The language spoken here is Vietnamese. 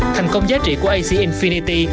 thành công giá trị của ac infinity